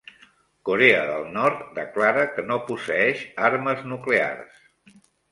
Corea del Nord declara que no posseïx armes nuclears